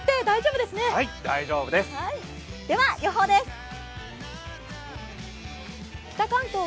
大丈夫です。